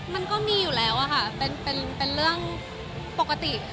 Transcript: มันก็มีอยู่แล้วค่ะเป็นเรื่องปกติ